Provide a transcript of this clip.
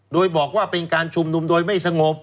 โดยบอกว่าเป็นการชุมนุมโดยไม่สงบ